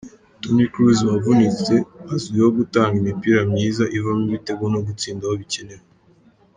Toni Kroos wavunitse azwiho gutanga imipira myiza ivamo ibitego no gutsinda aho bikenewe.